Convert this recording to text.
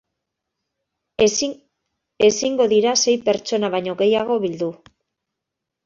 Ezingo dira sei pertsona baino gehiago bildu.